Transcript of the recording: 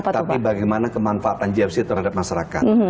tapi bagaimana kemanfaatan gfc terhadap masyarakat